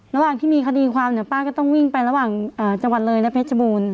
ระหว่างที่มีคดีความเนี่ยป้าก็ต้องวิ่งไประหว่างจังหวัดเลยและเพชรบูรณ์